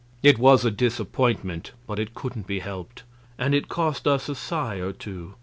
It was a disappointment, but it couldn't be helped, and it cost us a sigh or two.